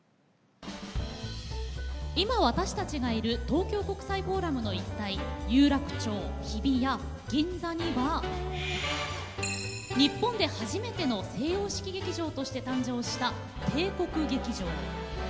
今、私たちがいる東京国際フォーラムの一帯有楽町、日比谷、銀座には日本で初めての西洋式劇場として誕生した帝国劇場。